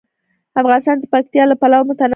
افغانستان د پکتیا له پلوه متنوع دی.